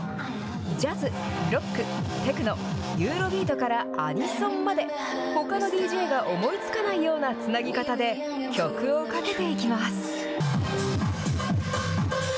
ジャズ、ロック、テクノ、ユーロビートからアニソンまで、ほかのＤＪが思いつかないようなつなぎ方で、曲をかけていきます。